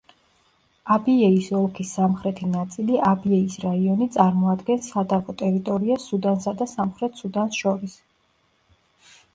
აბიეის ოლქის სამხრეთი ნაწილი აბიეის რაიონი წარმოადგენს სადავო ტერიტორიას სუდანსა და სამხრეთ სუდანს შორის.